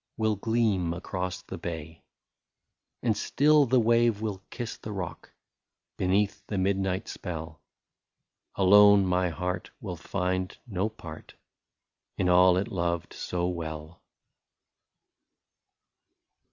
Will gleam across the bay ; And still the wave will kiss the rock, Beneath the midnight spell ; Alone, my heart will find no part In all it loved so well.